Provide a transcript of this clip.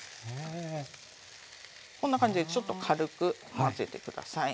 こんな感じでちょっと軽く混ぜて下さい。